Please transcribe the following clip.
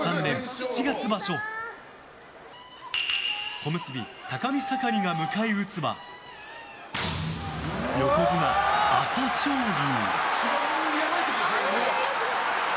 小結・高見盛が迎え撃つは横綱・朝青龍。